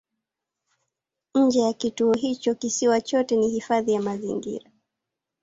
Nje ya kituo hicho kisiwa chote ni hifadhi ya mazingira.